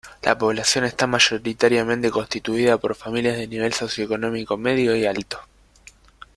La población está mayoritariamente constituida por familias de nivel socioeconómico medio y alto.